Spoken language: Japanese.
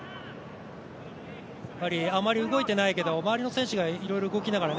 あまり動いてないけど、周りの選手がいろいろ動きながら